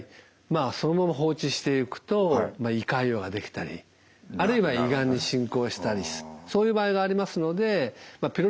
まあそのまま放置していくと胃潰瘍が出来たりあるいは胃がんに進行したりそういう場合がありますのでピロリ菌が見つかったらですね